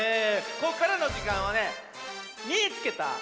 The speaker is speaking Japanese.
ここからのじかんはね「みいつけた！